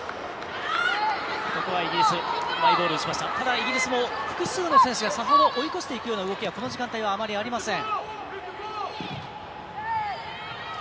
イギリスも複数の選手がさほど追い越すような動きはこの時間帯はあまりありません。